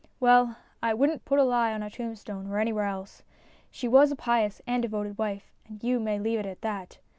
Well, I wouldn't put a lie on a tomb stone or anywhere else. She was a pious and devoted wife, and you may leave it at that.